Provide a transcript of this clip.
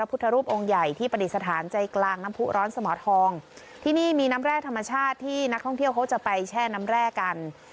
พุทธรูปองค์ใหญ่ที่ปฏิสถานใจกลางน้ำผู้ร้อนสมทองที่นี่มีน้ำแร่ธรรมชาติที่นักท่องเที่ยวเขาจะไปแช่น้ำแร่กัน